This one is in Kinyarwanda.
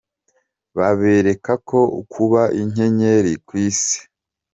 Babereka ko kuba inyenyeri ku Isi